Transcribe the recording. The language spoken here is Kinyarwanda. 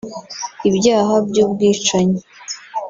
ibyaha by’ubwicanyi